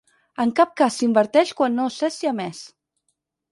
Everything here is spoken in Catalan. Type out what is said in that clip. En cap cas s'inverteix quan no s'és siamès.